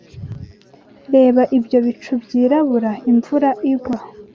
Reba ibyo bicu byirabura. Imvura igwa.